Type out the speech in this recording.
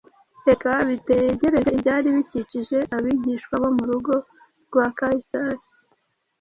Reka bitegereze ibyari bikikije abigishwa bo mu rugo rwa Kayisari: